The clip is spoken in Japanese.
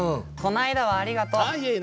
この間はありがとう。